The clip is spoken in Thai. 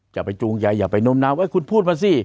อย่าไปจูงใจอย่าไปโน้มน้าวคุณพูดมาสิ